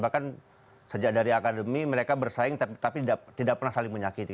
bahkan sejak dari akademi mereka bersaing tapi tidak pernah saling menyakiti